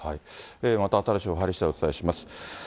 また新しい情報入りしだいお伝えします。